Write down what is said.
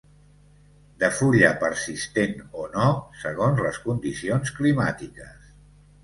De fulla persistent o no segons les condicions climàtiques.